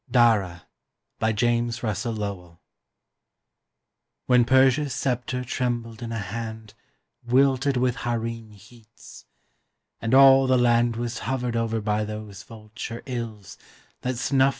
DARA BY JAMES RUSSELL LOWELL When Persia's scepter trembled in a hand Wilted with harem heats, and all the land Was hovered over by those vulture ills That snuf!